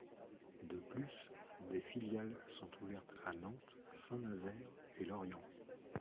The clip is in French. De plus, des filiales sont ouvertes à Nantes, Saint-Nazaire et Lorient.